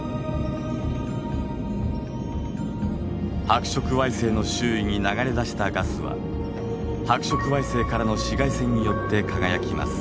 白色矮星の周囲に流れ出したガスは白色矮星からの紫外線によって輝きます。